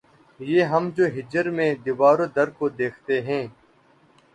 یہ ہم جو ہجر میں‘ دیوار و در کو دیکھتے ہیں